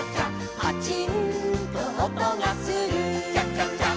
「パチンと音がする」「チャチャチャ」